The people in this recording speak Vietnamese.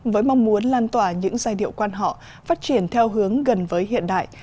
với mong muốn lan tỏa những giai điệu quan họ phát triển theo hướng gần với hiện đại